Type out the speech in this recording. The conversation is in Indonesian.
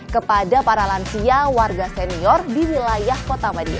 kepada para lansia warga senior di wilayah kota madina